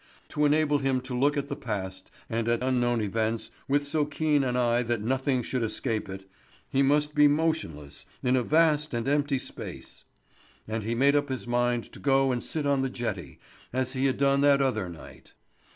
To enable him to look at the past and at unknown events with so keen an eye that nothing should escape it, he must be motionless in a vast and empty space. And he made up his mind to go and sit on the jetty as he had done that other night.